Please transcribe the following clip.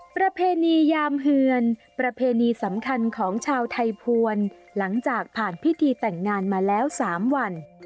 ประเพณียามเฮือนประเพณีสำคัญของชาวไทยภวรหลังจากผ่านพิธีแต่งงานมาแล้ว๓วัน